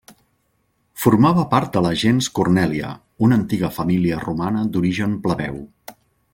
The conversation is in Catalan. Formava part de la gens Cornèlia, una antiga família romana d'origen plebeu.